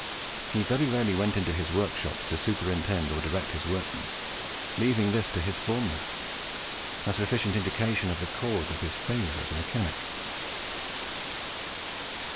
He very rarely went into his workshops to superintend or direct his workmen, leaving this to his foremen a sufficient indication of the causes of his failure as a mechanic.